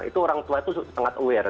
itu orang tua itu sangat aware